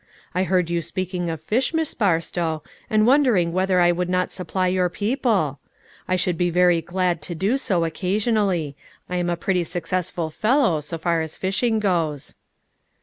I heard you speaking of fish, Miss Barstow, and wondering whether I would not supply your people ? I should be very glad to do so, occasionally ; I am a pretty successful fellow so far as fishing goes."